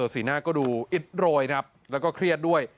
สีหน้าก็ดูอิดโรยครับแล้วก็เครียดด้วย